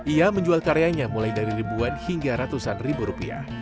ia menjual karyanya mulai dari ribuan hingga ratusan ribu rupiah